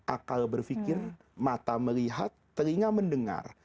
akal berfikir mata melihat telinga mendengar